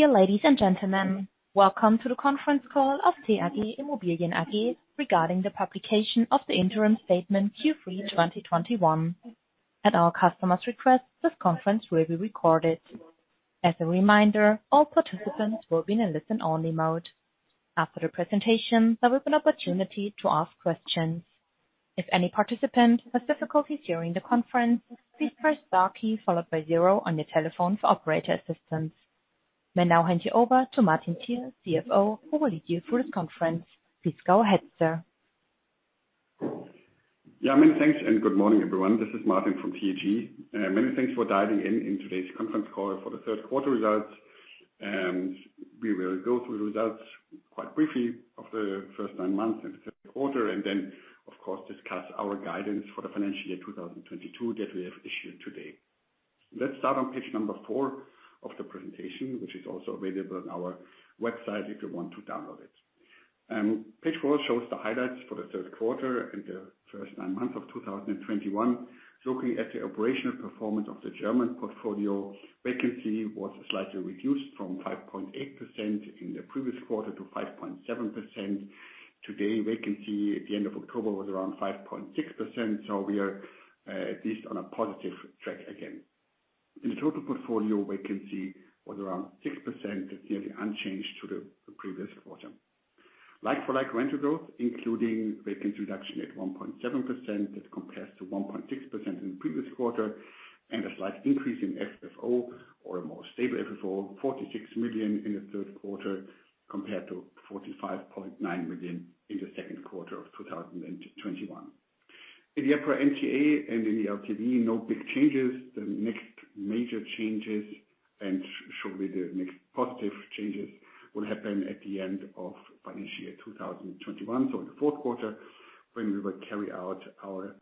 Dear ladies and gentlemen, welcome to the conference call of TAG Immobilien AG regarding the publication of the interim statement Q3 2021. At our customer's request, this conference will be recorded. As a reminder, all participants will be in a listen-only mode. After the presentation, there will be an opportunity to ask questions. If any participant has difficulties during the conference, please press star key followed by zero on your telephone for operator assistance. I'll now hand you over to Martin Thiel, CFO, who will lead you through this conference. Please go ahead, sir. Yeah, many thanks, and good morning, everyone. This is Martin from TAG. Many thanks for dialing in today's conference call for the third quarter results. We will go through the results quite briefly of the first nine months in the third quarter, and then, of course, discuss our guidance for the financial year 2022 that we have issued today. Let's start on page four of the presentation, which is also available on our website if you want to download it. Page four shows the highlights for the third quarter and the first nine months of 2021. Looking at the operational performance of the German portfolio, vacancy was slightly reduced from 5.8% in the previous quarter to 5.7%. Today, vacancy at the end of October was around 5.6%, so we are at least on a positive track again. In the total portfolio, vacancy was around 6%. That's nearly unchanged to the previous quarter. Like-for-like rental growth, including vacancy reduction at 1.7%, that compares to 1.6% in the previous quarter, and a slight increase in FFO or a more stable FFO, 46 million in the third quarter compared to 45.9 million in the second quarter of 2021. In the EPRA NTA and in the LTV, no big changes. The next major changes, and surely the next positive changes, will happen at the end of financial year 2021, so in the fourth quarter, when we will carry out our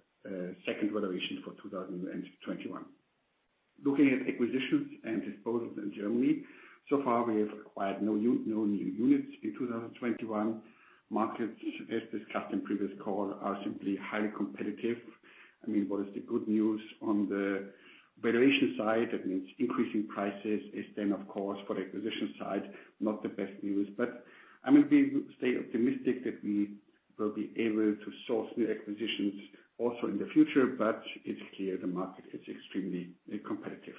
second valuation for 2021. Looking at acquisitions and disposals in Germany. So far, we have acquired no new units in 2021. Markets, as discussed in previous call, are simply highly competitive. I mean, what is the good news on the valuation side, that means increasing prices, is then, of course, for the acquisition side, not the best news. I mean, we stay optimistic that we will be able to source new acquisitions also in the future, but it's clear the market is extremely competitive.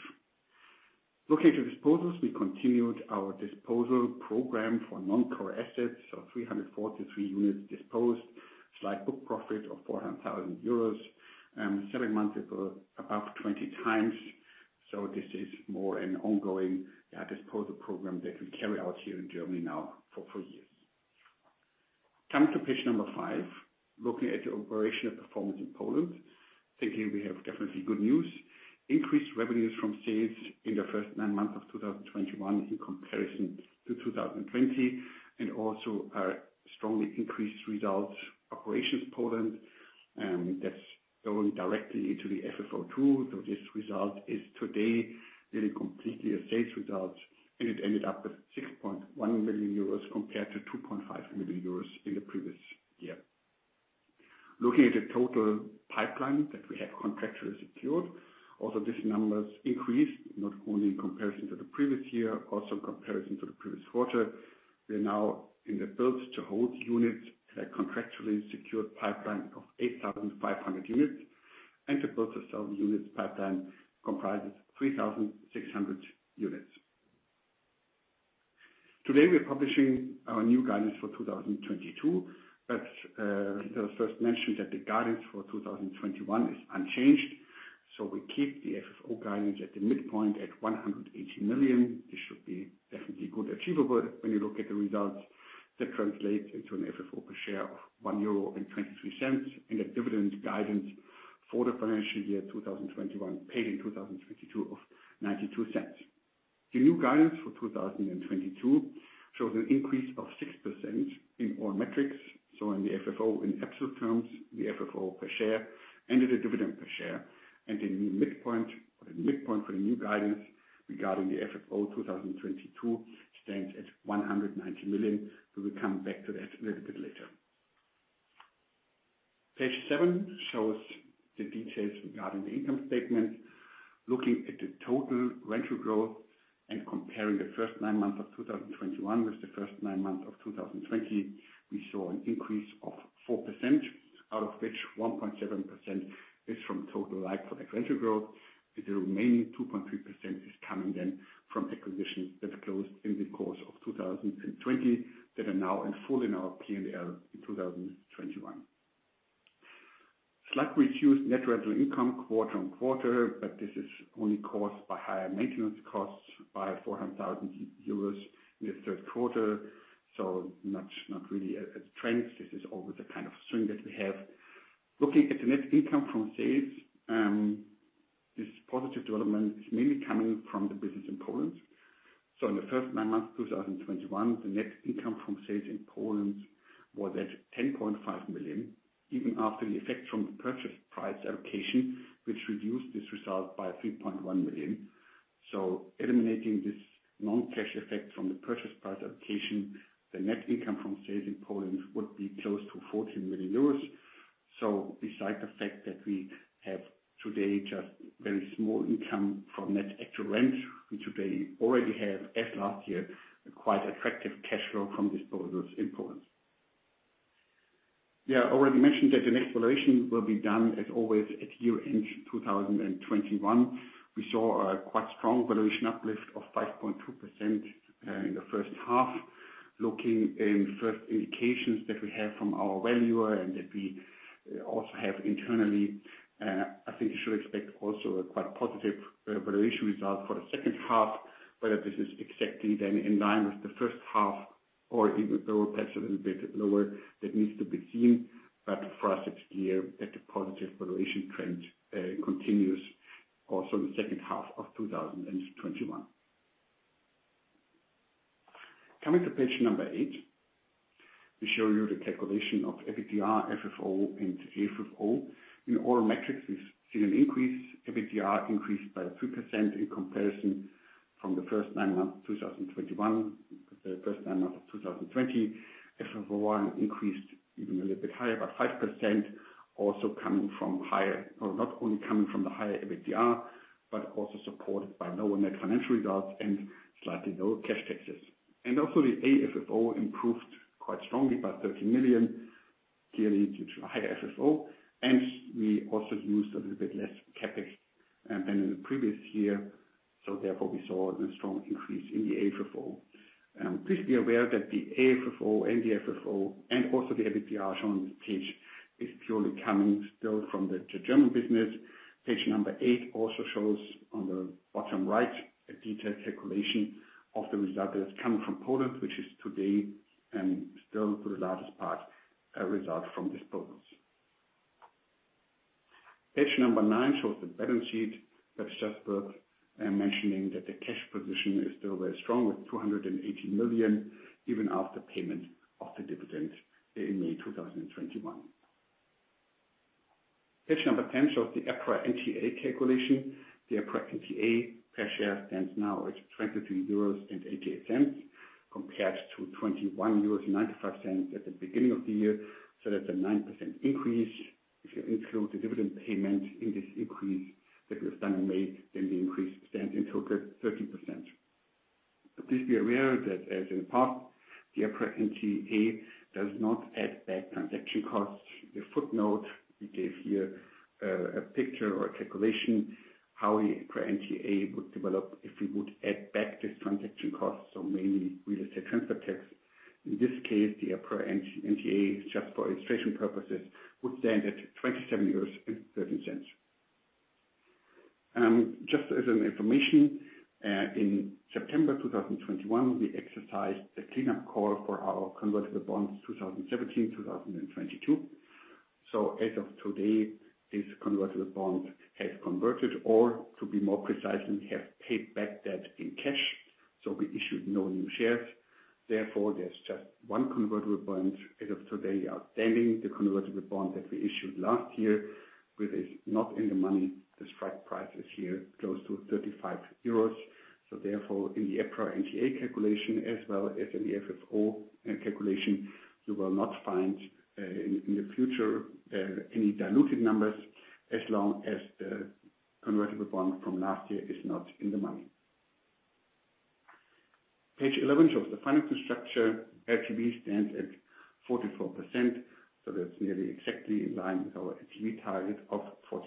Looking to disposals, we continued our disposal program for non-core assets, so 343 units disposed. Slight book profit of 400,000 euros, selling multiple above 20x. This is more an ongoing disposal program that we carry out here in Germany now for four years. Coming to page five. Looking at the operational performance in Poland. I think we have definitely good news. Increased revenues from sales in the first nine months of 2021 in comparison to 2020, and also our strongly increased results, operations Poland, that's going directly into the FFO II. This result is today really completely a sales result, and it ended up with 6.1 million euros compared to 2.5 million euros in the previous year. Looking at the total pipeline that we have contractually secured. These numbers increased not only in comparison to the previous year, also in comparison to the previous quarter. We're now in the build-to-hold units, a contractually secured pipeline of 8,500 units. The build-to-sell units pipeline comprises 3,600 units. Today, we're publishing our new guidance for 2022. Let us first mention that the guidance for 2021 is unchanged. We keep the FFO guidance at the midpoint at 180 million. This should be definitely good achievable when you look at the results that translate into an FFO per share of 1.23 euro, and a dividend guidance for the financial year 2021, paid in 2022 of 0.92. The new guidance for 2022 shows an increase of 6% in all metrics. In the FFO in absolute terms, the FFO per share, and the dividend per share. The new midpoint, or the midpoint for the new guidance regarding the FFO II 2022 stands at 190 million. We will come back to that a little bit later. Page seven shows the details regarding the income statement. Looking at the total rental growth and comparing the first nine months of 2021 with the first nine months of 2020, we saw an increase of 4%, out of which 1.7% is from total like-for-like rental growth. The remaining 2.3% is coming then from acquisitions that closed in the course of 2020 that are now in full in our P&L in 2021. Slightly reduced net rental income quarter-over-quarter, but this is only caused by higher maintenance costs by 400,000 euros in the third quarter. Not really a trend. This is always the kind of swing that we have. Looking at the net income from sales, this positive development is mainly coming from the business in Poland. In the first nine months, 2021, the net income from sales in Poland was at 10.5 million, even after the effect from the purchase price allocation, which reduced this result by 3.1 million. Eliminating this non-cash effect from the purchase price allocation, the net income from sales in Poland would be close to 14 million euros. Besides the fact that we have today just very small income from net actual rent, we today already have, as last year, a quite attractive cash flow from disposals in Poland. Yeah, I already mentioned that a revaluation will be done as always at year-end 2021. We saw a quite strong valuation uplift of 5.2%, in the first half. Looking at first indications that we have from our valuer and that we also have internally, I think you should expect also a quite positive valuation result for the second half, whether this is exactly then in line with the first half or even though perhaps a little bit lower that needs to be seen. For us, it's clear that the positive valuation trend continues also in the second half of 2021. Coming to page eight. We show you the calculation of EBITDA, FFO, and AFFO. In all metrics, we've seen an increase. EBITDA increased by 2% in comparison to the first nine months of 2020. FFO I increased even a little bit higher, about 5%, also coming from higher... Not only coming from the higher EBITDA, but also supported by lower net financial results and slightly lower cash taxes. Also the AFFO improved quite strongly, about 13 million, clearly due to higher FFO. We also used a little bit less CapEx than in the previous year, so therefore, we saw a strong increase in the AFFO. Please be aware that the AFFO and the FFO, and also the EBITDA shown on this page is purely coming still from the German business. Page eight also shows on the bottom right a detailed calculation of the result that is coming from Poland, which is today and still for the largest part, a result from disposals. Page nine shows the balance sheet. That's just worth mentioning that the cash position is still very strong, with 280 million, even after payment of the dividend in May 2021. Page 10 shows the EPRA NDV calculation. The EPRA NDV per share stands now at 23.80 euros, compared to 21.95 euros at the beginning of the year. That's a 9% increase. If you include the dividend payment in this increase that we've done in May, then the increase stands in total 13%. Please be aware that as in the past, the EPRA NDV does not add back transaction costs. The footnote we gave here, a picture or a calculation how EPRA NDV would develop if we would add back this transaction cost, so mainly real estate transfer tax. In this case, the EPRA NDV, just for illustration purposes, would stand at 27.30 euros. Just for information, in September 2021, we exercised the cleanup call for our convertible bonds 2017, 2022. As of today, this convertible bond has converted, or to be more precise, we have paid back debt in cash. We issued no new shares. Therefore, there's just one convertible bond as of today, outstanding. The convertible bond that we issued last year, which is not in the money. The strike price is here, close to 35 euros. Therefore, in the EPRA NDV calculation as well as in the FFO calculation, you will not find in the future any diluted numbers as long as the convertible bond from last year is not in the money. Page 11 shows the financial structure. LTV stands at 44%, so that's nearly exactly in line with our LTV target of 45%.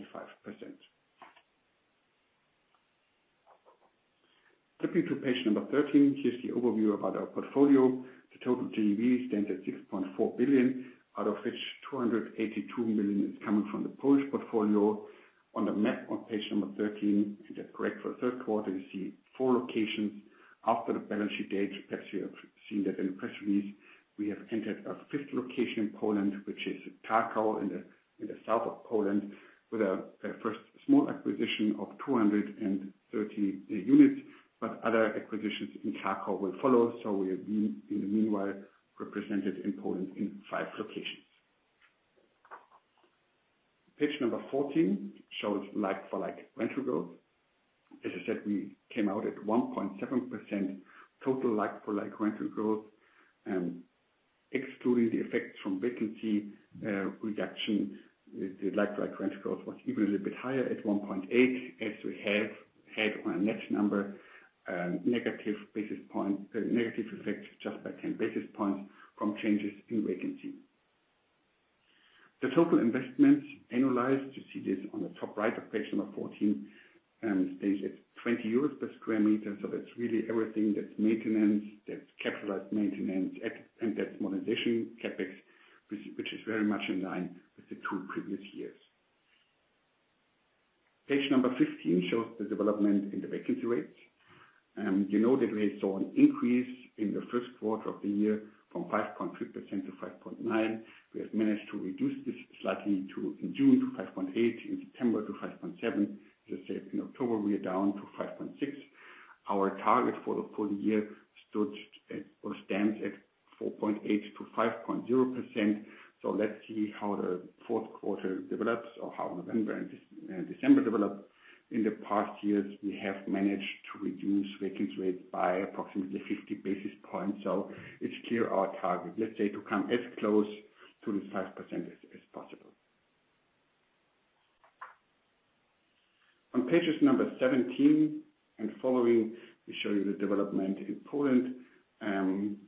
Flipping to page 13. Here's the overview of our portfolio. The total GDV stands at 6.4 billion, out of which 282 million is coming from the Polish portfolio. On the map on page 13, if that's correct, for the third quarter, you see four locations. After the balance sheet date, perhaps you have seen that in the press release, we have entered a fifth location in Poland, which is Kraków in the south of Poland, with a first small acquisition of 230 units. Other acquisitions in Kraków will follow, so we have been in the meanwhile represented in Poland in five locations. Page 14 shows like-for-like rental growth. As I said, we came out at 1.7% total like-for-like rental growth. Excluding the effects from vacancy reduction, the like-for-like rental growth was even a little bit higher at 1.8%, as we have had on a net number negative basis point effect just by 10 basis points from changes in vacancy. The total investment annualized, you see this on the top right of page 14, stands at 20 euros per sq m. So that's really everything, that's maintenance, that's capitalized maintenance, and that's modernization CapEx, which is very much in line with the two previous years. Page 15 shows the development in the vacancy rates. You know that we saw an increase in the first quarter of the year from 5.3% to 5.9%. We have managed to reduce this slightly to In June to 5.8%, in September to 5.7%. As I said, in October, we are down to 5.6%. Our target for the full year stood at or stands at 4.8%-5.0%. Let's see how the fourth quarter develops or how November and December develop. In the past years, we have managed to reduce vacancy rates by approximately 50 basis points. It's clear our target, let's say, to come as close to the 5% as possible. On page 17 and following, we show you the development in Poland,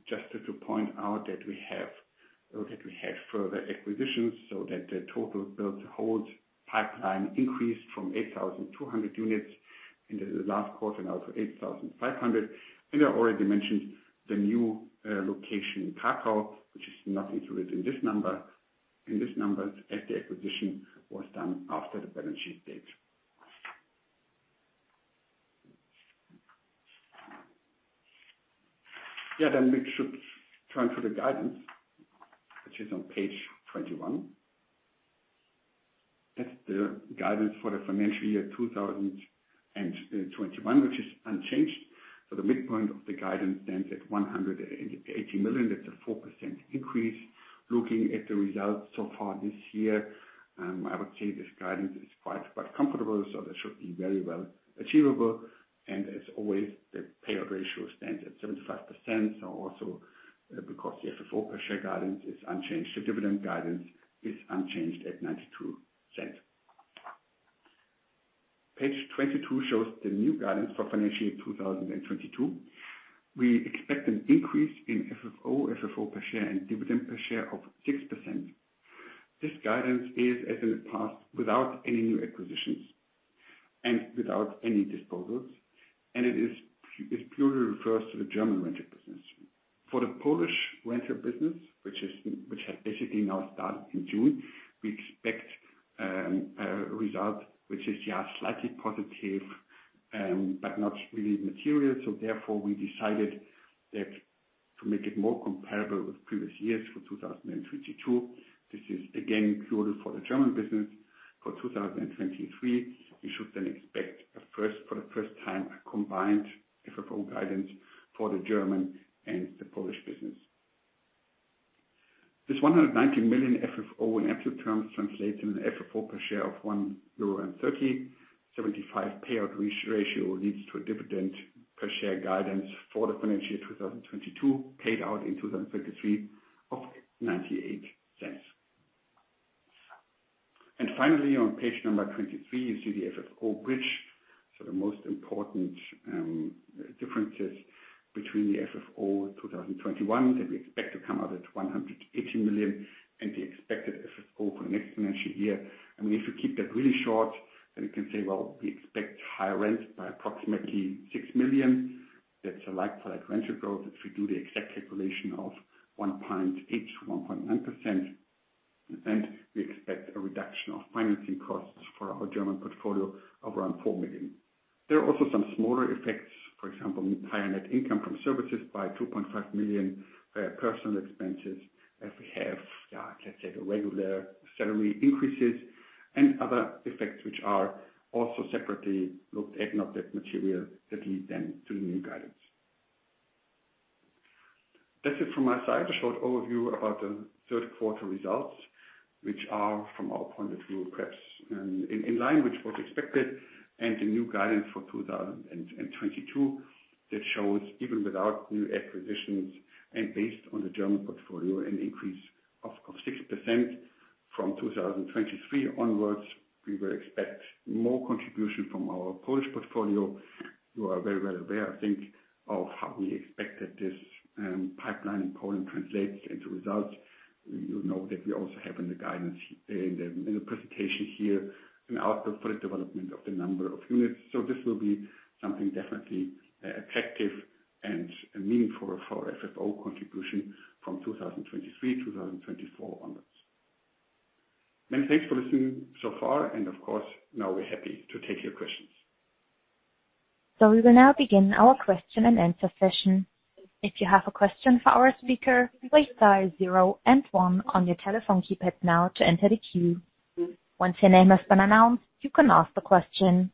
just to point out that we have further acquisitions so that the total build-to-hold pipeline increased from 8,200 units in the last quarter now to 8,500. I already mentioned the new location in Kraków, which is not included in this number, as the acquisition was done after the balance sheet date. Yeah. We should turn to the guidance, which is on page 21. That's the guidance for the financial year 2021, which is unchanged. The midpoint of the guidance stands at 180 million. That's a 4% increase. Looking at the results so far this year, I would say this guidance is quite comfortable, so that should be very well achievable. As always, the payout ratio stands at 75%. Also, because the FFO per share guidance is unchanged, the dividend guidance is unchanged at 0.92. Page 22 shows the new guidance for financial year 2022. We expect an increase in FFO per share and dividend per share of 6%. This guidance is as in the past without any new acquisitions and without any disposals, and it purely refers to the German rental business. For the Polish rental business, which has basically now started in June, we expect result which is just slightly positive, but not really material. Therefore, we decided that to make it more comparable with previous years for 2022, this is again purely for the German business. For 2023, you should then expect for the first time a combined FFO guidance for the German and the Polish business. This 119 million FFO in absolute terms translates into an FFO per share of 1.30 euro. 75 payout re-ratio leads to a dividend per share guidance for the financial year 2022, paid out in 2023 of 0.98. Finally, on page 23, you see the FFO bridge. The most important differences between the FFO II 2021 that we expect to come out at 180 million, and the expected FFO for the next financial year. I mean, if you keep that really short, then we can say, well, we expect higher rents by approximately 6 million. That's a like-for-like rental growth. If we do the exact calculation of 1.8%-1.9%, and we expect a reduction of financing costs for our German portfolio of around 4 million. There are also some smaller effects. For example, higher net income from services by 2.5 million, personnel expenses as we have, let's say the regular salary increases and other effects which are also separately looked at, not that material that lead them to the new guidance. That's it from my side. A short overview about the third quarter results, which are from our point of view, perhaps, in line with what's expected and the new guidance for 2022 that shows even without new acquisitions and based on the German portfolio an increase of 6%. From 2023 onwards, we will expect more contribution from our Polish portfolio. You are very well aware, I think, of how we expect that this pipeline in Poland translates into results. You know that we also have in the guidance in the, in the presentation here an outlook for the development of the number of units. This will be something definitely attractive and meaningful for our FFO contribution from 2023, 2024 onwards. Many thanks for listening so far and of course, now we're happy to take your questions. We will now begin our question-and-answer session. If you have a question for our speaker, please dial zero and one on your telephone keypad now to enter the queue. Once your name has been announced, you can ask the question.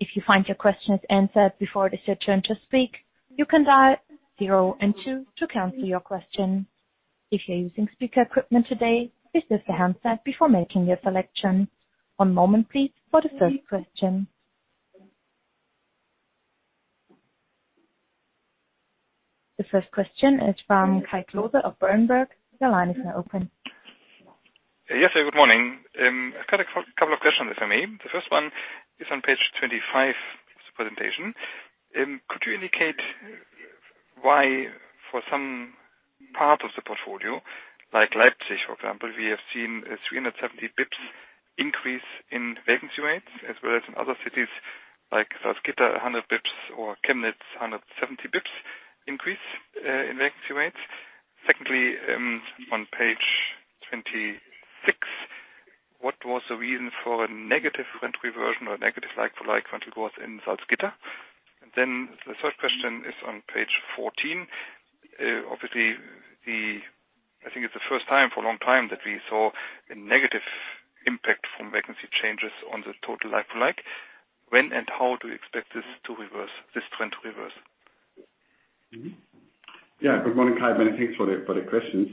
If you find your question is answered before it is your turn to speak, you can dial zero and two to cancel your question. If you're using speaker equipment today, please lift the handset before making your selection. One moment, please, for the first question. The first question is from Kai Klose of Berenberg. Your line is now open. Yes, sir. Good morning. I've got a couple of questions, if I may. The first one is on page 25 of the presentation. Could you indicate why for some part of the portfolio like Leipzig, for example, we have seen a 370 BPS increase in vacancy rates as well as in other cities like Salzgitter, 100 BPS or Chemnitz 170 BPS increase in vacancy rates. Secondly, on page 26, what was the reason for a negative rent reversion or negative like-for-like rental growth in Salzgitter? And then the third question is on page 14. Obviously, I think it's the first time for a long time that we saw a negative impact from vacancy changes on the total like-for-like. When and how do you expect this trend to reverse? Good morning, Kai Klose. Many thanks for the questions.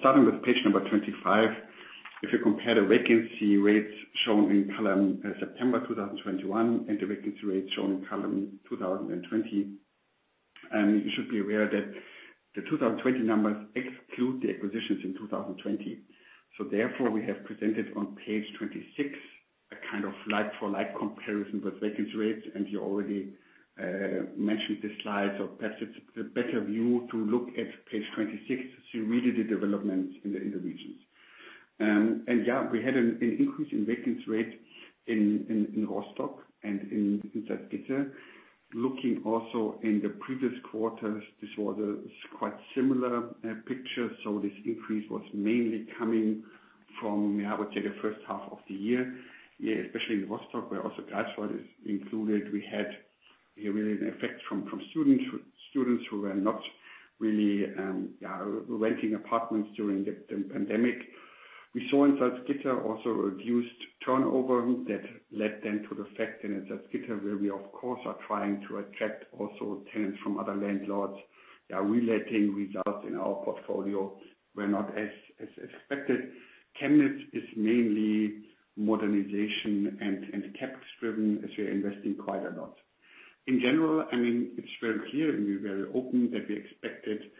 Starting with page 25. If you compare the vacancy rates shown in column September 2021, and the vacancy rates shown in column 2020, you should be aware that the 2020 numbers exclude the acquisitions in 2020. Therefore, we have presented on page 26 a kind of like-for-like comparison with vacancy rates, and you already mentioned the slide. Perhaps it's a better view to look at page 26 to read the development in the regions. Yeah, we had an increase in vacancy rate in Rostock and in Salzgitter. Looking also in the previous quarters, this was a quite similar picture. This increase was mainly coming from, I would say, the first half of the year. Especially in Rostock, where also Greifswald is included. We had really an effect from students who were not really renting apartments during the pandemic. We saw in Salzgitter also reduced turnover that led then to the effect in Salzgitter, where we of course are trying to attract also tenants from other landlords. Their reletting results in our portfolio were not as expected. Chemnitz is mainly modernization and CapEx driven, as we are investing quite a lot. In general, I mean, it's very clear, and we're very open that we expected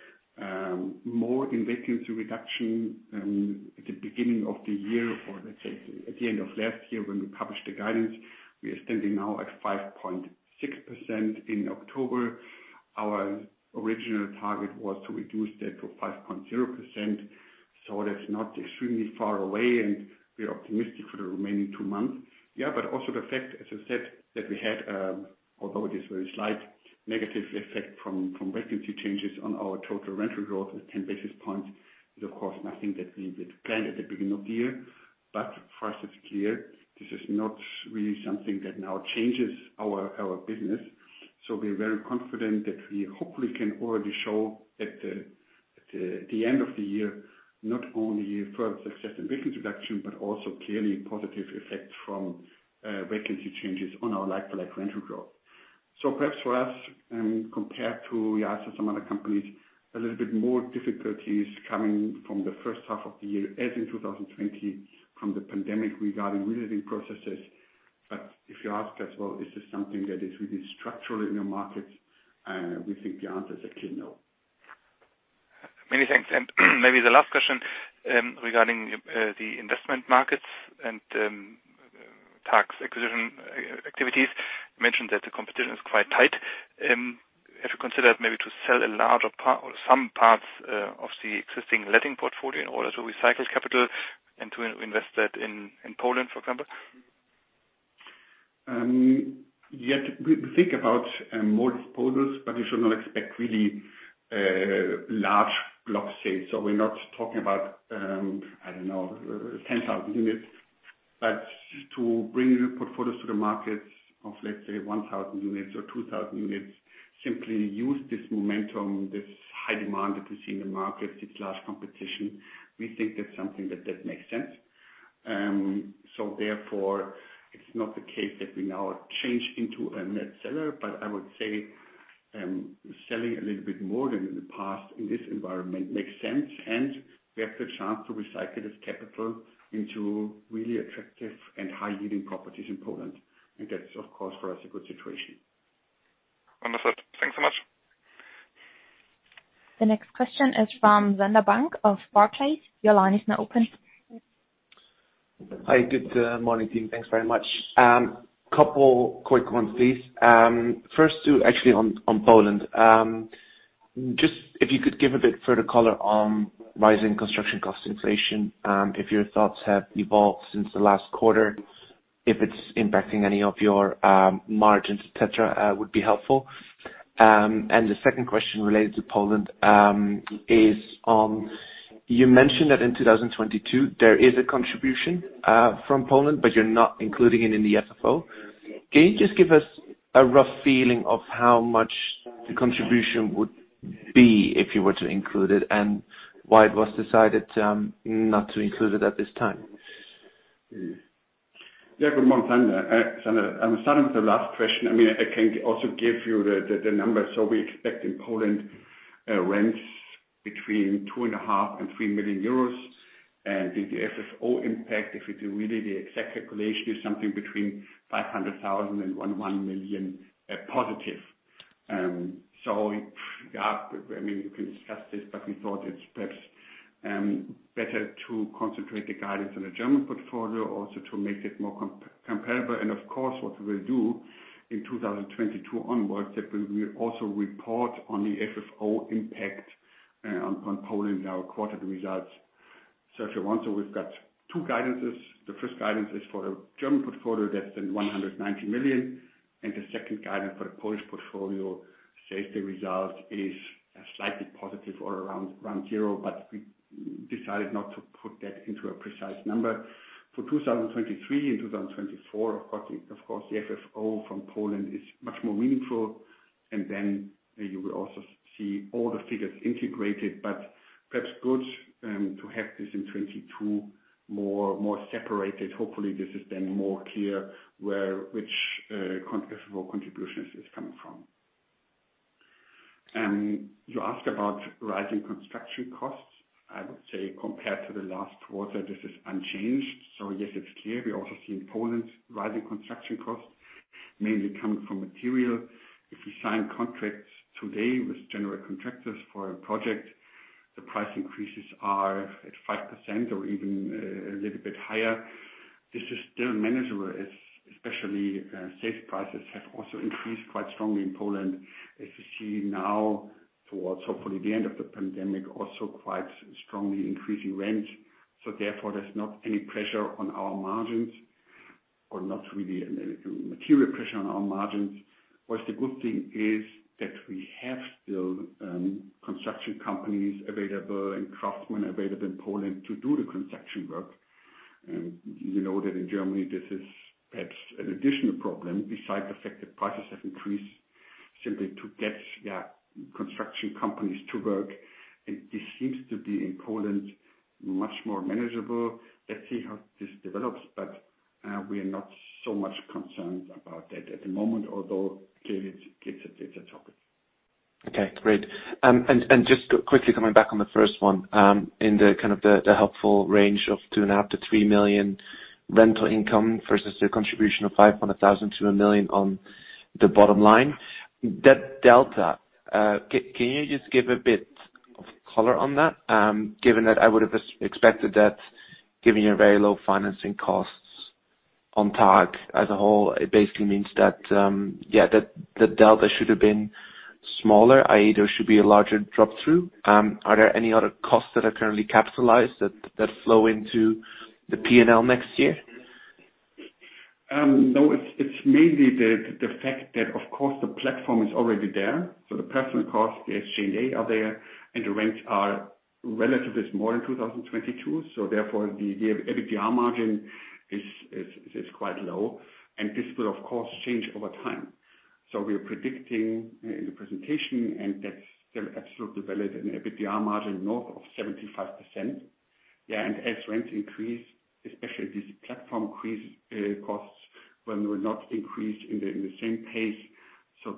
more in vacancy reduction at the beginning of the year or let's say at the end of last year when we published the guidance. We are standing now at 5.6% in October. Our original target was to reduce that to 5.0%, so that's not extremely far away, and we're optimistic for the remaining two months. Yeah, but also the fact, as I said, that we had, although it is very slight, negative effect from vacancy changes on our total rental growth at 10 basis points is of course nothing that we had planned at the beginning of the year. For us, it's clear this is not really something that now changes our business. We're very confident that we hopefully can already show at the end of the year not only further success in vacancy reduction, but also clearly positive effects from vacancy changes on our like-for-like rental growth. Perhaps for us, compared to, yeah, so some other companies, a little bit more difficulties coming from the first half of the year, as in 2020 from the pandemic regarding rental processes. But if you ask us, well, is this something that is really structural in your market? We think the answer is actually no. Many thanks. Maybe the last question, regarding the investment markets and asset acquisition activities. You mentioned that the competition is quite tight. Have you considered maybe to sell a larger part or some parts of the existing letting portfolio in order to recycle capital and to invest that in Poland, for example? We think about more portfolios, but you should not expect really large block sales. We're not talking about, I don't know, 10,000 units. To bring new portfolios to the market of, let's say, 1,000 units or 2,000 units, simply use this momentum, this high demand that we see in the market, it's large competition. We think that's something that makes sense. Therefore, it's not the case that we now change into a net seller. I would say selling a little bit more than in the past in this environment makes sense, and we have the chance to recycle this capital into really attractive and high-yielding properties in Poland. That's, of course, for us a good situation. Understood. Thanks so much. The next question is from Sander Bunck of Barclays. Your line is now open. Hi. Good morning, team. Thanks very much. Couple quick ones, please. First two actually on Poland. Just if you could give a bit further color on rising construction cost inflation, if your thoughts have evolved since the last quarter. If it's impacting any of your margins, et cetera, would be helpful. The second question related to Poland is you mentioned that in 2022 there is a contribution from Poland, but you're not including it in the FFO. Can you just give us a rough feeling of how much the contribution would be if you were to include it, and why it was decided not to include it at this time? Yeah. Good morning, Sander Bunck. Sander, I'm starting with the last question. I mean, I can also give you the numbers. We expect in Poland rents between 2.5 million and 3 million euros. The FFO impact, if we do really the exact calculation, is something between 500,000 and 1 million positive. Yeah, I mean, we can discuss this, but we thought it's perhaps better to concentrate the guidance on the German portfolio also to make it more comparable. Of course, what we'll do in 2022 onwards is that we also report on the FFO impact on Poland in our quarter results. If you want, we've got two guidances. The first guidance is for the German portfolio, that's 190 million. The second guidance for the Polish portfolio says the result is slightly positive or around zero. But we decided not to put that into a precise number. For 2023 and 2024, of course, the FFO from Poland is much more meaningful. And then you will also see all the figures integrated, but perhaps good to have this in 2022 more separated. Hopefully, this is then more clear where the FFO contribution is coming from. You asked about rising construction costs. I would say compared to the last quarter, this is unchanged. So yes, it's clear we also see in Poland rising construction costs mainly coming from material. If we sign contracts today with general contractors for a project, the price increases are at 5% or even a little bit higher. This is still manageable, especially, sales prices have also increased quite strongly in Poland. As you see now towards hopefully the end of the pandemic, also quite strongly increasing rents. Therefore, there's not any pressure on our margins or not really a material pressure on our margins. What the good thing is that we have still, construction companies available and craftsmen available in Poland to do the construction work. You know that in Germany this is perhaps an additional problem besides the fact that prices have increased simply to get, yeah, construction companies to work. This seems to be in Poland much more manageable. Let's see how this develops, but we are not so much concerned about that at the moment, although clearly it's a topic. Okay, great. Just quickly coming back on the first one, in the helpful range of 2.5 million-3 million rental income versus the contribution of 500,000-1 million on the bottom line. That delta, can you just give a bit of color on that? Given that I would have expected that, given very low financing costs on TAG as a whole, it basically means that that delta should have been smaller, i.e. there should be a larger drop through. Are there any other costs that are currently capitalized that flow into the P&L next year? No, it's mainly the fact that, of course, the platform is already there. The personnel costs, the SG&A are there, and the rents are relatively small in 2022. Therefore the EBITDA margin is quite low. This will of course change over time. We are predicting in the presentation, and that's still absolutely valid, an EBITDA margin north of 75%. Yeah, and as rents increase, especially as the platform increases, costs will not increase in the same pace.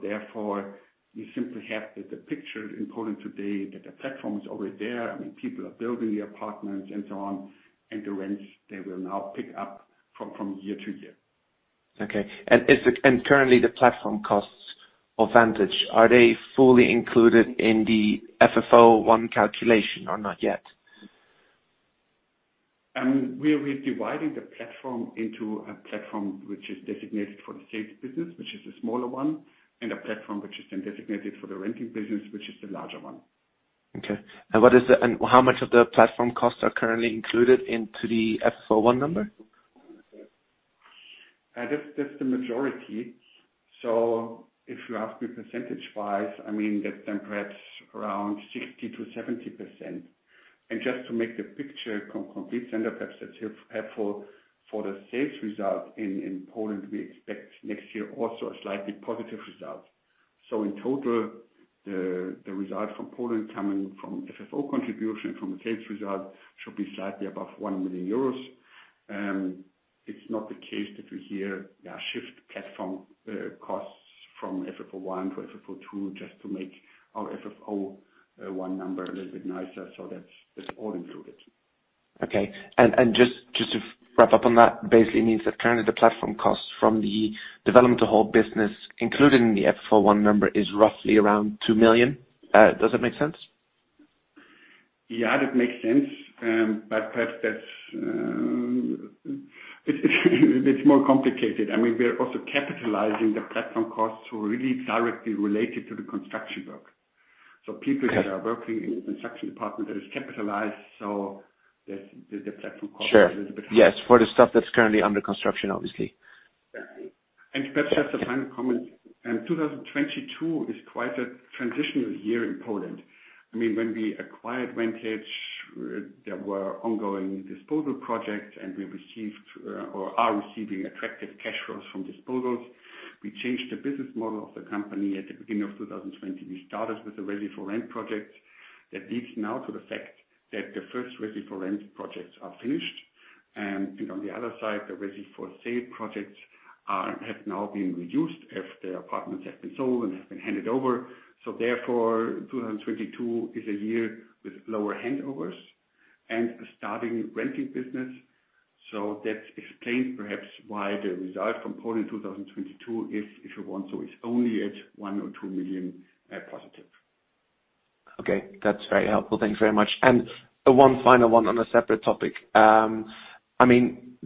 Therefore, we simply have the picture in Poland today that the platform is already there. I mean, people are building the apartments and so on, and the rents, they will now pick up from year to year. Okay. Currently the platform costs for Vantage, are they fully included in the FFO I calculation or not yet? We're redividing the platform into a platform which is designated for the sales business, which is a smaller one, and a platform which is then designated for the rental business, which is the larger one. Okay. How much of the platform costs are currently included into the FFO I number? That's the majority. If you ask me percentage wise, I mean that's then perhaps around 60%-70%. Just to make the picture complete and perhaps it's helpful for the sales result in Poland, we expect next year also a slightly positive result. In total, the result from Poland coming from FFO contribution from the sales result should be slightly above 1 million euros. It's not the case that we shift platform costs from FFO I to FFO II just to make our FFO one number a little bit nicer. That's all included. Okay. Just to wrap up on that, basically means that currently the platform costs from the development of whole business included in the FFO I number is roughly around 2 million. Does that make sense? Yeah, that makes sense. Perhaps that's more complicated. I mean, we are also capitalizing the platform costs which are really directly related to the construction work. People- That are working in the construction department that is capitalized, so the platform cost- Sure. A little bit. Yes. For the stuff that's currently under construction, obviously. Yeah. Perhaps just a final comment. 2022 is quite a transitional year in Poland. I mean, when we acquired Vantage, there were ongoing disposal projects, and we received or are receiving attractive cash flows from disposals. We changed the business model of the company at the beginning of 2020. We started with the ready-for-rent project. That leads now to the fact that the first ready-for-rent projects are finished. On the other side, the ready-for-sale projects have now been reduced if the apartments have been sold and have been handed over. Therefore, 2022 is a year with lower handovers and a starting rental business. That explains perhaps why the result from Poland 2022 is, if you want, so it's only at 1 or 2 million positive. Okay. That's very helpful. Thank you very much. One final one on a separate topic. I mean,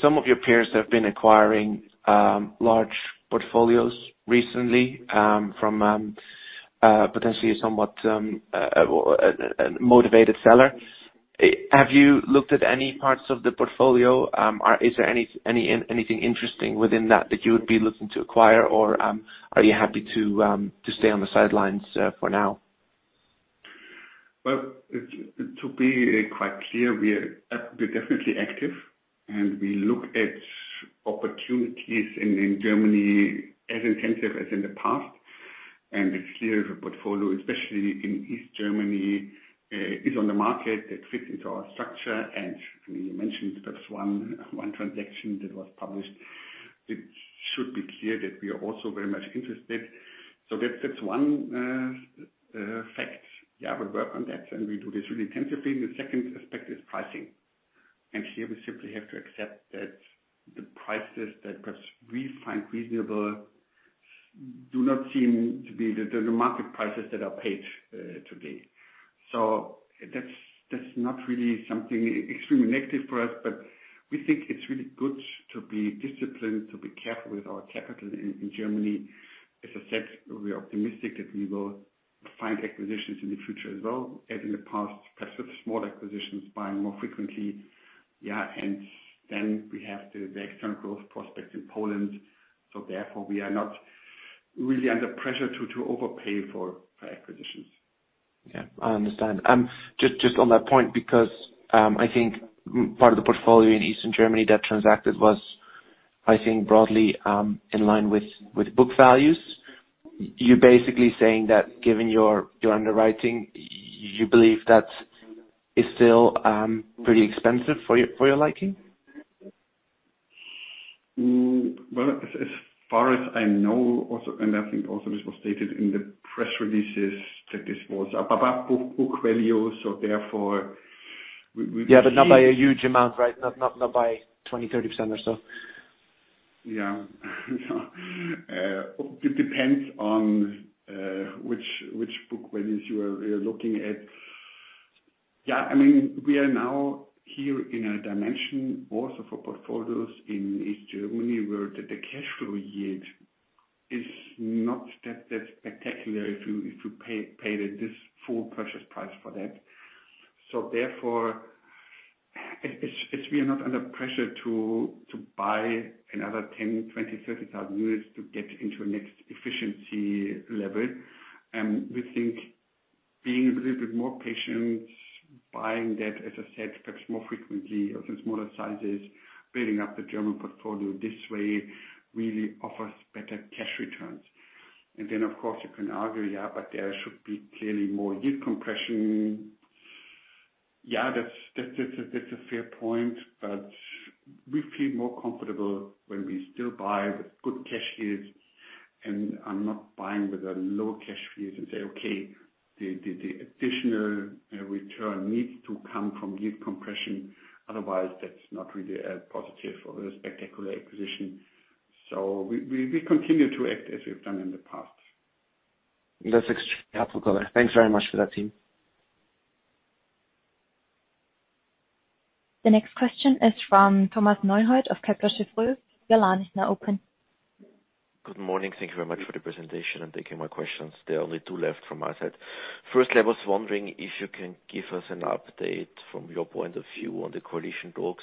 some of your peers have been acquiring large portfolios recently from potentially a somewhat motivated seller. Have you looked at any parts of the portfolio? Is there anything interesting within that that you would be looking to acquire or are you happy to stay on the sidelines for now? Well, to be quite clear, we're definitely active, and we look at opportunities in Germany as intensively as in the past. It's clear the portfolio, especially in East Germany, is on the market. It fits into our structure. You mentioned perhaps one transaction that was published. It should be clear that we are also very much interested. That's one fact. Yeah, we work on that, and we do this really intensively. The second aspect is pricing. Here we simply have to accept that the prices that perhaps we find reasonable do not seem to be the market prices that are paid today. That's not really something extremely negative for us, but we think it's really good to be disciplined, to be careful with our capital in Germany. As I said, we are optimistic that we will find acquisitions in the future as well, as in the past, perhaps with small acquisitions, buying more frequently. Yeah. Then we have the external growth prospects in Poland, so therefore we are not really under pressure to overpay for acquisitions. Yeah, I understand. Just on that point because I think part of the portfolio in Eastern Germany that transacted was, I think, broadly in line with book values. You're basically saying that given your underwriting, you believe that is still pretty expensive for your liking? Well, as far as I know also, and I think also this was stated in the press releases that this was above book value, so therefore we- Yeah, not by a huge amount, right? Not by 20%-30% or so. Yeah. It depends on which book values you're looking at. Yeah, I mean, we are now here in a dimension also for portfolios in East Germany, where the cash flow yield is not that spectacular if you pay this full purchase price for that. Therefore, we are not under pressure to buy another 10,000, 20,000, 30,000 units to get into the next efficiency level. We think being a little bit more patient, buying that, as I said, perhaps more frequently of the smaller sizes, building up the German portfolio this way really offers better cash returns. Then of course you can argue, yeah, but there should be clearly more yield compression. Yeah, that's a fair point, but we feel more comfortable when we still buy with good cash yields and are not buying with a low cash yield and say, okay, the additional return needs to come from yield compression, otherwise that's not really a positive or a spectacular acquisition. We continue to act as we've done in the past. That's extremely helpful, Martin Thiel. Thanks very much for that team. The next question is from Thomas Neuhold of Kepler Cheuvreux. Your line is now open. Good morning. Thank you very much for the presentation, and thank you for my questions. There are only two left from my side. First, I was wondering if you can give us an update from your point of view on the coalition talks.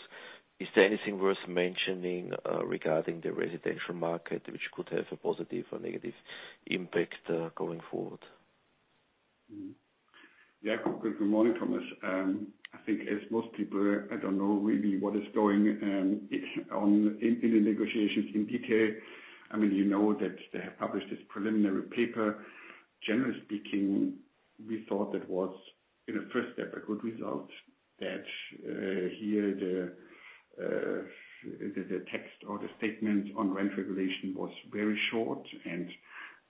Is there anything worth mentioning, regarding the residential market which could have a positive or negative impact, going forward? Yeah. Good morning, Thomas Neuhold. I think as most people, I don't know really what is going on in the negotiations in detail. I mean, you know that they have published this preliminary paper. Generally speaking, we thought that was in a first step, a good result that here the text or the statement on rent regulation was very short and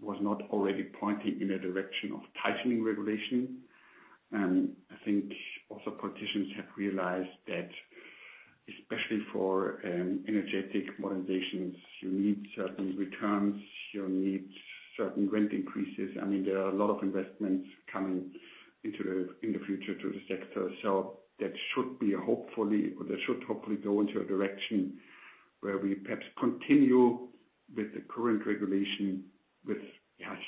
was not already pointing in the direction of tightening regulation. I think also politicians have realized that especially for energy modernizations, you need certain returns, you need certain rent increases. I mean, there are a lot of investments coming into the sector in the future. That should hopefully go into a direction where we perhaps continue with the current regulation with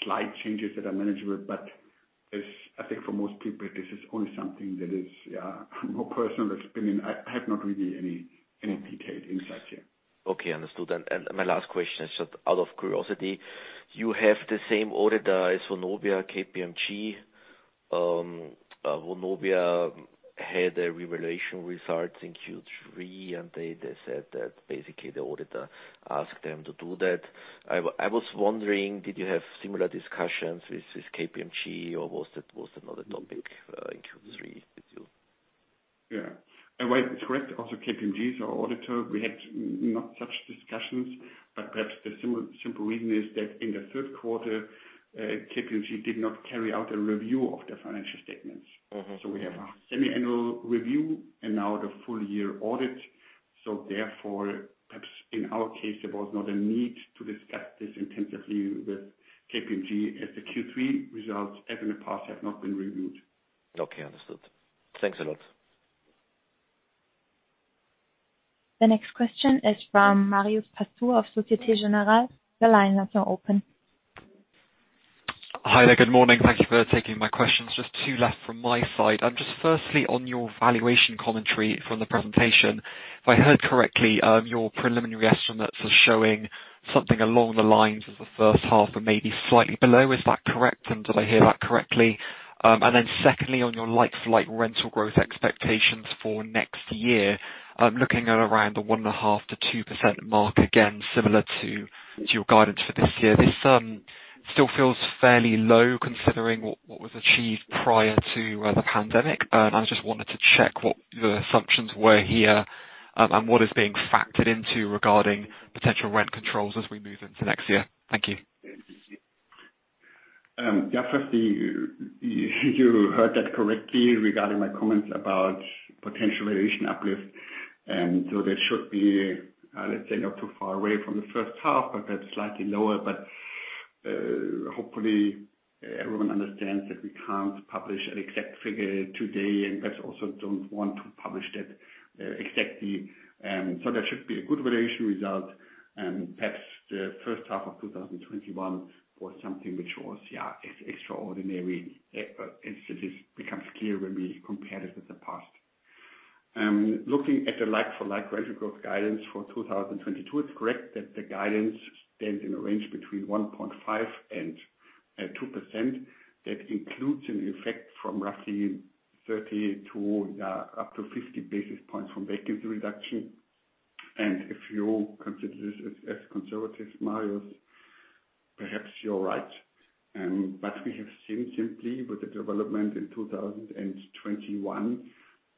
slight changes that are manageable. As I think for most people, this is only something that is more personal opinion. I have not really any detailed insights here. Okay, understood. My last question is just out of curiosity. You have the same auditor as Vonovia, KPMG. Vonovia had a revaluation results in Q3, and they said that basically the auditor asked them to do that. I was wondering, did you have similar discussions with KPMG, or was that another topic in Q3 with you? Yeah. While it's correct, also KPMG is our auditor. We had not such discussions, but perhaps the simple reason is that in the third quarter, KPMG did not carry out a review of the financial statements. Mm-hmm. We have a semi-annual review and now the full year audit, so therefore perhaps in our case there was not a need to discuss this intensively with KPMG as the Q3 results as in the past have not been reviewed. Okay, understood. Thanks a lot. The next question is from Marios Pastou of Société Générale. Your line is now open. Hi there. Good morning. Thank you for taking my questions. Just two left from my side. Just firstly, on your valuation commentary from the presentation, if I heard correctly, your preliminary estimates are showing something along the lines of the first half, but maybe slightly below. Is that correct? Did I hear that correctly? Then secondly, on your like-for-like rental growth expectations for next year, I'm looking at around the 1.5%-2% mark, again, similar to your guidance for this year. This still feels fairly low considering what was achieved prior to the pandemic. I just wanted to check what the assumptions were here, and what is being factored into regarding potential rent controls as we move into next year. Thank you. Firstly, you heard that correctly regarding my comments about potential valuation uplift, and that should be, let's say, not too far away from the first half, but that's slightly lower. Hopefully everyone understands that we can't publish an exact figure today, and perhaps also don't want to publish that exactly. So that should be a good valuation result, and perhaps the first half of 2021 was something which was extraordinary. It just becomes clear when we compare this with the past. Looking at the like-for-like rental growth guidance for 2022, it's correct that the guidance stands in a range between 1.5% and 2%. That includes an effect from roughly 30 to up to 50 basis points from vacancy reduction. If you consider this as conservative, Marios, perhaps you're right. We have seen simply with the development in 2021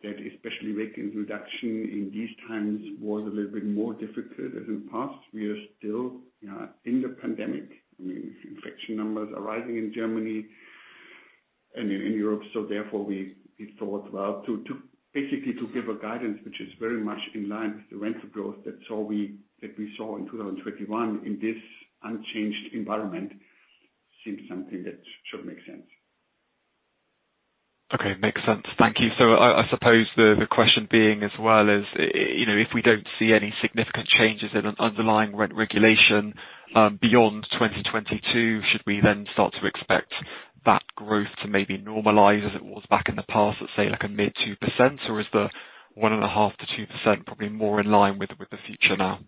that especially vacancy reduction in these times was a little bit more difficult as in past. We are still in the pandemic. I mean, infection numbers are rising in Germany and in Europe, so therefore we thought, well, basically to give a guidance which is very much in line with the rental growth that we saw in 2021 in this unchanged environment seems something that should make sense. Okay. Makes sense. Thank you. I suppose the question being as well is, you know, if we don't see any significant changes in an underlying rent regulation, beyond 2022, should we then start to expect that growth to maybe normalize as it was back in the past, let's say like a mid 2%? Is the 1.5%-2% probably more in line with the future now?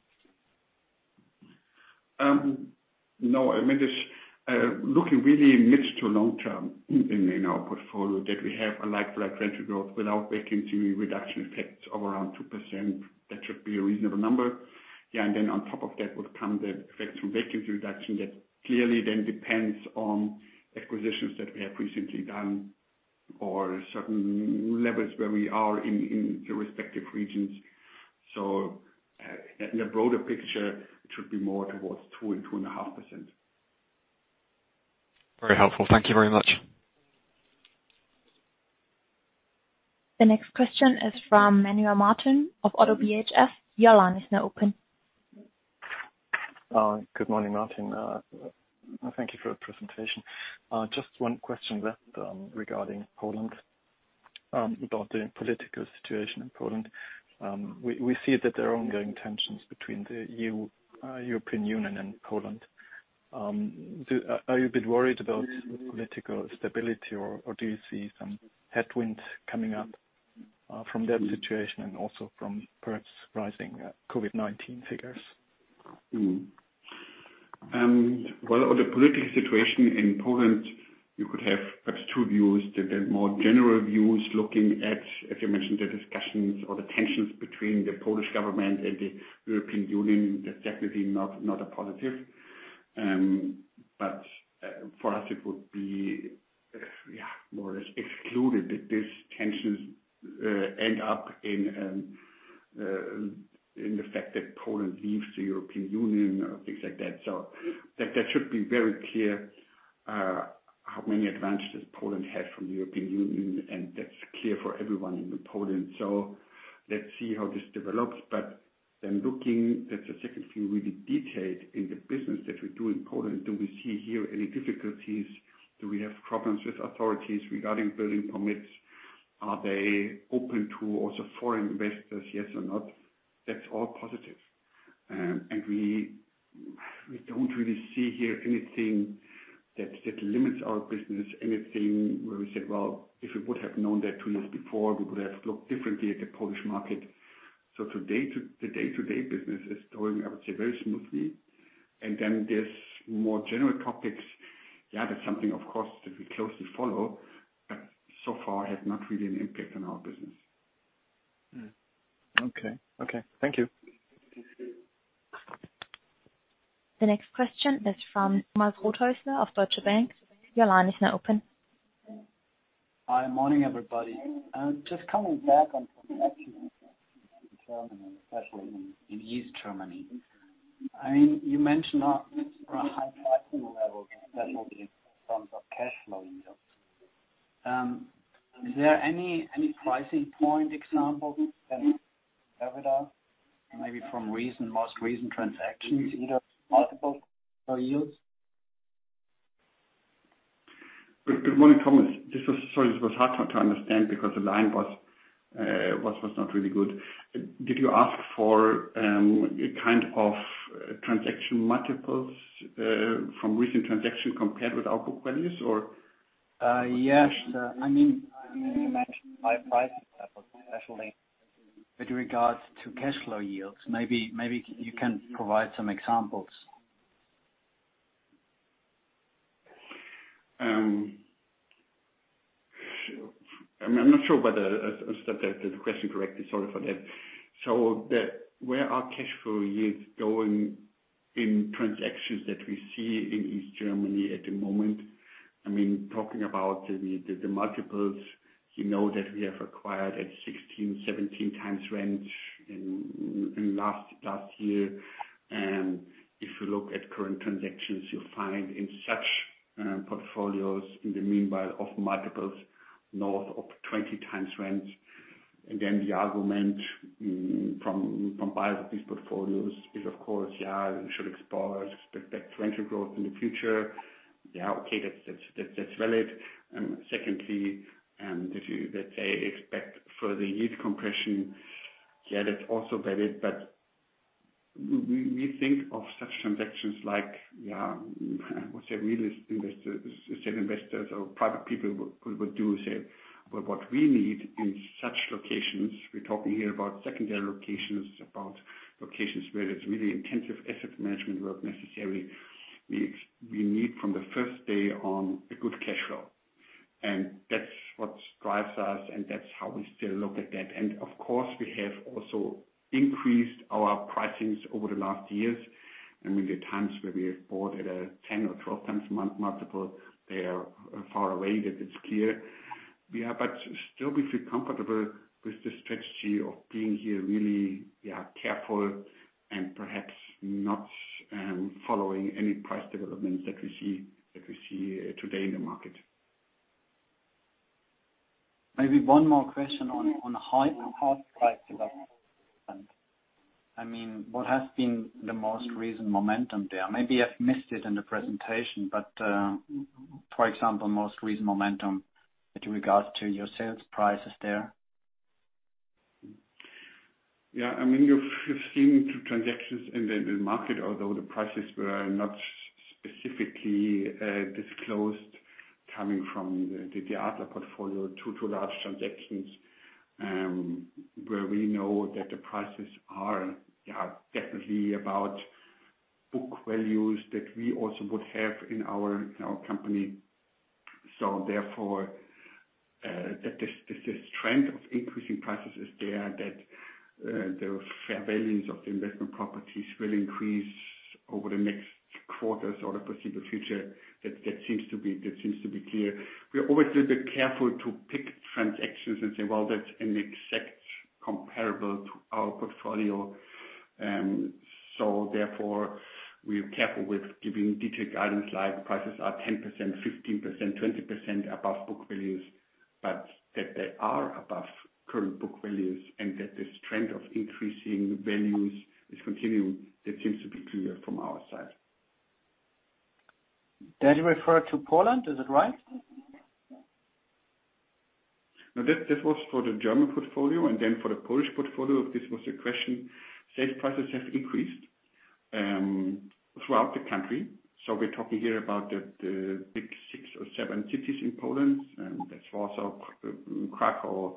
No, I mean, this looking really mid- to long-term in our portfolio that we have a like-for-like rental growth without vacancy reduction effects of around 2%, that should be a reasonable number. Yeah, and then on top of that would come the effect from vacancy reduction that clearly then depends on acquisitions that we have recently done or certain levels where we are in the respective regions. At the broader picture, it should be more towards 2%-2.5%. Very helpful. Thank you very much. The next question is from Manuel Martin of ODDO BHF. Your line is now open. Good morning, Martin. Thank you for the presentation. Just one question left, regarding Poland, about the political situation in Poland. We see that there are ongoing tensions between the European Union and Poland. Are you a bit worried about political stability or do you see some headwinds coming up from that situation and also from perhaps rising COVID-19 figures? Well, on the political situation in Poland, you could have perhaps two views. The more general views looking at, as you mentioned, the discussions or the tensions between the Polish government and the European Union, that's definitely not a positive. For us it would be, yeah, more or less excluded that these tensions end up in the fact that Poland leaves the European Union or things like that. That should be very clear, how many advantages Poland has from the European Union, and that's clear for everyone in Poland. Let's see how this develops. Then looking at the second view, really detailed in the business that we do in Poland, do we see here any difficulties? Do we have problems with authorities regarding building permits? Are they open to also foreign investors, yes or not? That's all positive. We don't really see here anything that limits our business, anything where we said, "Well, if we would have known that two years before, we would have looked differently at the Polish market." The day-to-day business is going, I would say, very smoothly. Then there's more general topics. Yeah, that's something of course that we closely follow, but so far has not really an impact on our business. Okay. Thank you. The next question is from Thomas Rothaeusler of Deutsche Bank. Your line is now open. Hi. Morning, everybody. Just coming back on from actually in Germany, especially in East Germany. I mean, you mentioned a high pricing level, especially in terms of cash flow yields. Is there any pricing point examples that Mm-hmm. Maybe from recent, most recent transactions, either multiples or yields? Good morning, Thomas. Sorry, this was hard to understand because the line was not really good. Did you ask for a kind of transaction multiples from recent transaction compared with our book values or? Yes. I mean, you mentioned high pricing levels, especially with regards to cash flow yields. Maybe you can provide some examples. I'm not sure whether I understood the question correctly. Sorry for that. Where are cash flow yields going in transactions that we see in East Germany at the moment? I mean, talking about the multiples, you know that we have acquired at 16x, 17x rent in last year. If you look at current transactions, you'll find in such portfolios in the meanwhile multiples north of 20x rent. Then the argument from buyers of these portfolios is of course, yeah, we should expect rent growth in the future. Yeah, okay. That's valid. Secondly, that they expect further yield compression. Yeah, that's also valid, but we think of such transactions like, yeah, what a realist investor, share investors or private people would do say. What we need in such locations, we're talking here about secondary locations, about locations where it's really intensive asset management work necessary. We need from the first day on a good cash flow. That's what drives us, and that's how we still look at that. Of course, we have also increased our pricings over the last years. I mean, the times where we have bought at a 10x or 12x multiple, they are far away, that is clear. Yeah, still we feel comfortable with the strategy of being here really, yeah, careful and perhaps not following any price developments that we see today in the market. Maybe one more question on high price development. I mean, what has been the most recent momentum there? Maybe I've missed it in the presentation, but, for example, most recent momentum with regards to your sales prices there. Yeah. I mean, you've seen two transactions in the market, although the prices were not specifically disclosed coming from the other portfolio. Two large transactions, where we know that the prices are definitely about book values that we also would have in our company. Therefore, that this trend of increasing prices is there, that the fair values of the investment properties will increase over the next quarters or the foreseeable future. That seems to be clear. We are always a bit careful to pick transactions and say, "Well, that's an exact comparable to our portfolio." Therefore we're careful with giving detailed guidance like prices are 10%, 15%, 20% above book values. that they are above current book values and that this trend of increasing values is continuing, that seems to be clear from our side. That you refer to Poland, is that right? No. This was for the German portfolio, and then for the Polish portfolio, if this was the question, sales prices have increased throughout the country. We're talking here about the big six or seven cities in Poland, and that's also Kraków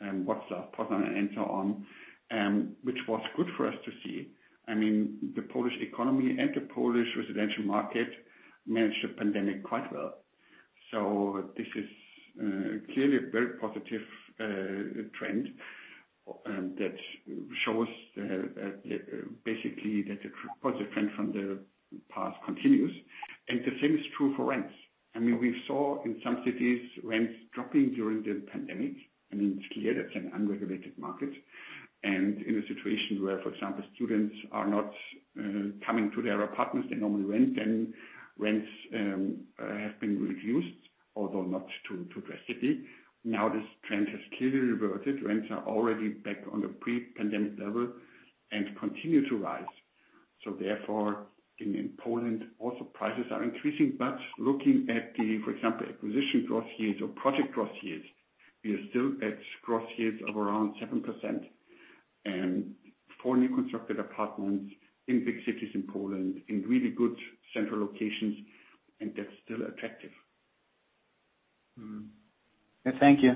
and Warsaw, Poznań and so on, which was good for us to see. I mean, the Polish economy and the Polish residential market managed the pandemic quite well. This is clearly a very positive trend that shows basically that the positive trend from the past continues. The same is true for rents. I mean, we saw in some cities rents dropping during the pandemic. I mean, it's clear that's an unregulated market. In a situation where, for example, students are not coming to their apartments they normally rent, then rents have been reduced, although not too drastically. Now, this trend has clearly reverted. Rents are already back on the pre-pandemic level and continue to rise. Therefore, in Poland also prices are increasing. Looking at the, for example, acquisition growth rates or project growth rates, we are still at growth rates of around 7%. For newly constructed apartments in big cities in Poland in really good central locations, that's still attractive. Thank you.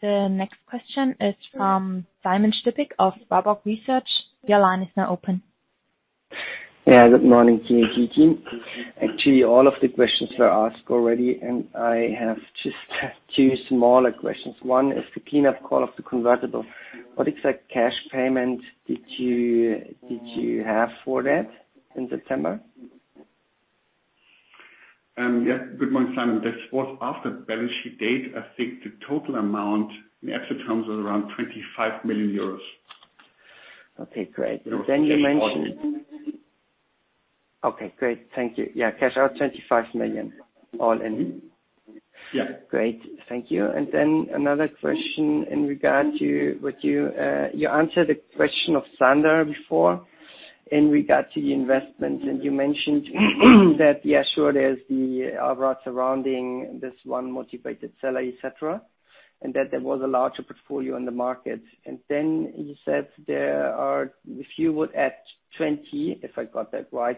The next question is from Simon Stippig of Warburg Research. Your line is now open. Yeah. Good morning to you, team. Actually, all of the questions were asked already, and I have just two smaller questions. One is the cleanup call of the convertible. What exact cash payment did you have for that in September? Yeah. Good morning, Simon. This was after balance sheet date. I think the total amount in absolute terms was around 25 million euros. Okay, great. Thank you. Yeah, cash out 25 million all in. Mm-hmm. Yeah. Great. Thank you. Another question in regard to what you answered the question of Sander before in regard to the investment. You mentioned that, yeah, sure there's the aura surrounding this one motivated seller, et cetera, and that there was a larger portfolio on the market. You said, if you would add 20,000, if I got that right,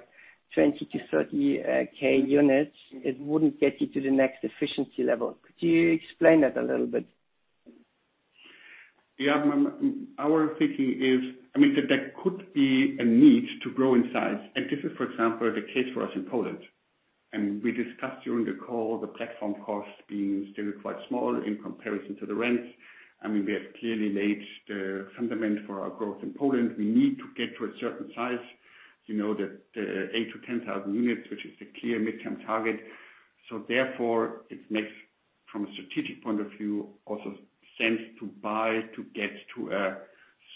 20,000-30,000 units, it wouldn't get you to the next efficiency level. Could you explain that a little bit? Yeah. Our thinking is, I mean, that there could be a need to grow in size. This is, for example, the case for us in Poland. We discussed during the call the platform cost being still quite small in comparison to the rents. I mean, we have clearly laid the foundation for our growth in Poland. We need to get to a certain size, you know, the 8,000-10,000 units, which is the clear midterm target. Therefore it makes from a strategic point of view also sense to buy, to get to a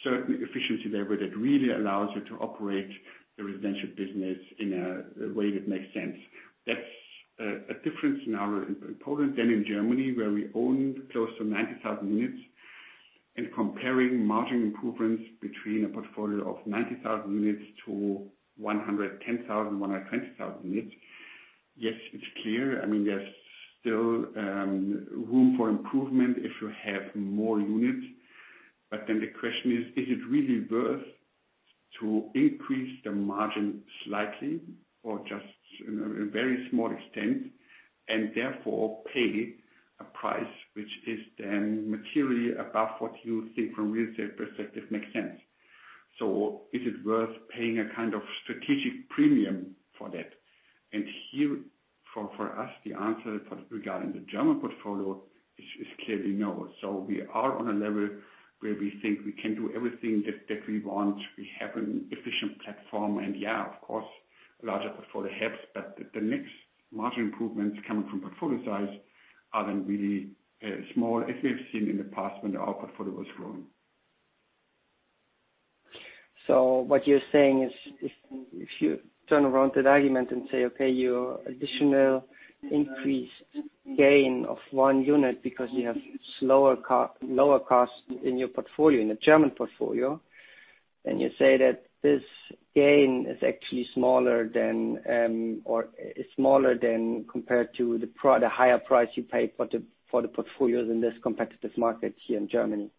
certain efficiency level that really allows you to operate the residential business in a way that makes sense. That's a difference in Poland than in Germany, where we own close to 90,000 units. Comparing margin improvements between a portfolio of 90,000 units to 110,000-120,000 units. Yes, it's clear. I mean, there's still room for improvement if you have more units. Then the question is: Is it really worth to increase the margin slightly or just in a very small extent and therefore pay a price which is then materially above what you think from real estate perspective makes sense. Is it worth paying a kind of strategic premium for that? Here for us, the answer regarding the German portfolio is clearly no. We are on a level where we think we can do everything that we want. We have an efficient platform and yeah, of course, larger portfolio helps, but the next margin improvements coming from portfolio size are then really small as we have seen in the past when our portfolio was growing. What you're saying is if you turn around that argument and say, okay, your additional increase gain of one unit because you have lower costs in your portfolio, in the German portfolio, then you say that this gain is actually smaller than or is smaller than compared to the higher price you pay for the portfolios in this competitive market here in Germany.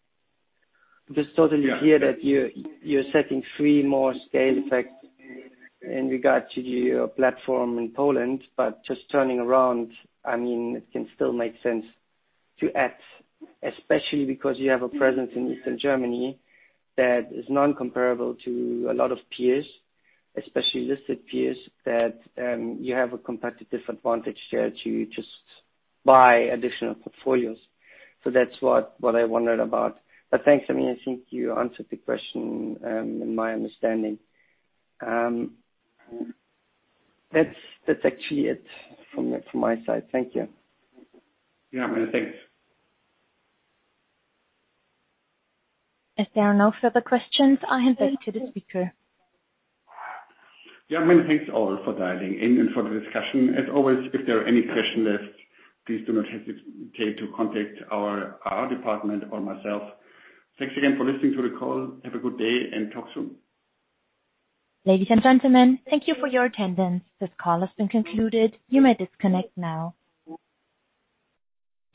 Just so that you hear that you're setting three more scale effects in regard to your platform in Poland, but just turning around, I mean, it can still make sense to add, especially because you have a presence in Eastern Germany that is non-comparable to a lot of peers, especially listed peers, that you have a competitive advantage there to just buy additional portfolios. That's what I wondered about. Thanks. I mean, I think you answered the question, in my understanding. That's actually it from my side. Thank you. Yeah, man. Thanks. If there are no further questions, I hand back to the speaker. Yeah. Many thanks all for dialing in and for the discussion. As always, if there are any questions left, please do not hesitate to contact our department or myself. Thanks again for listening to the call. Have a good day and talk soon. Ladies and gentlemen, thank you for your attendance. This call has been concluded. You may disconnect now.